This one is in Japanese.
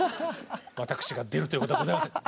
私が出るということはございません。